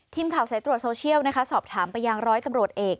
ทีมข่าวสายตรวจโซเชียลนะคะสอบถามไปยังร้อยตำรวจเอก